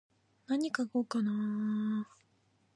なに書こうかなー。